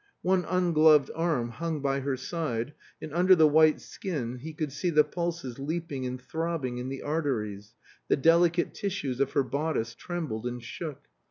One ungloved arm hung by her side, and under the white skin he could see the pulses leaping and throbbing in the arteries, the delicate tissues of her bodice trembled and shook.